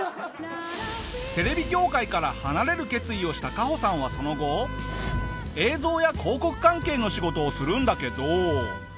テレビ業界から離れる決意をしたカホさんはその後映像や広告関係の仕事をするんだけど。